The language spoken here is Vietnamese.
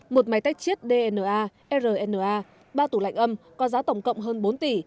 một máy tách chiết dna rna ba tủ lạnh âm có giá tổng cộng hơn bốn tỷ